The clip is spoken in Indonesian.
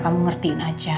kamu ngertiin aja